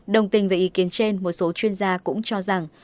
đồng tình về ý kiến trên một số chuyên gia cũng cho rằng